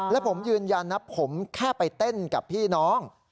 และผมยืนยันนะผมแค่ไปเต้นกับพี่น้อง